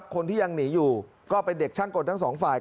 คนที่ยังหนีอยู่ก็เป็นเด็กช่างกฎทั้งสองฝ่าย